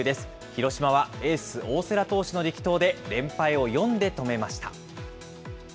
広島はエース、大瀬良投手の力投で連敗を４で止めました。